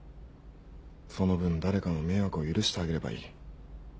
その分誰かの迷惑を許してあげればいい。